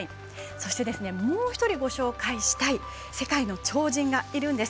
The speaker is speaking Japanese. そして、もう１人ご紹介したい世界の超人がいるんです。